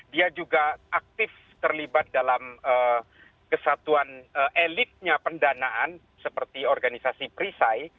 dia juga aktif terlibat dalam kesatuan elitnya pendanaan seperti organisasi prisai